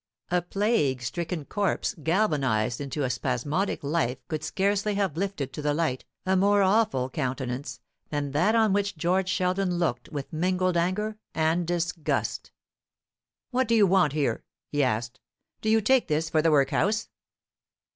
A plague stricken corpse galvanized into a spasmodic life could scarcely have lifted to the light a more awful countenance than that on which George Sheldon looked with mingled anger and disgust. "What do you want here" he asked. "Do you take this for the workhouse?"